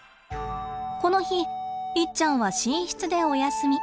この日イッちゃんは寝室でお休み。